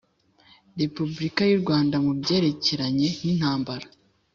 Repubulika yurwanda mu byerekeranye nintambara